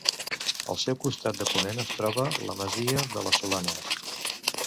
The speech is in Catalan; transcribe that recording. Al seu costat de ponent es troba la masia de les Solanes.